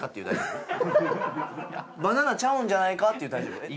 これ「バナナちゃうんじゃないか」っていう大丈夫？